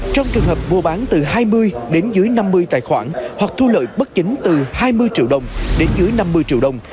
trong trường hợp mua bán từ hai mươi đến dưới năm mươi tài khoản hoặc thu lợi bất chính từ hai mươi triệu đồng đến dưới năm mươi triệu đồng